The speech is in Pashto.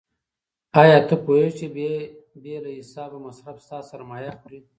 آیا ته پوهېږې چې بې له حسابه مصرف ستا سرمایه خوري؟